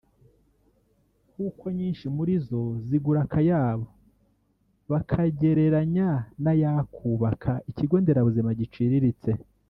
kuko nyinshi muri zo zigura akayabo bakagereranya n’ayakubaka ikigonderabuzima giciriritse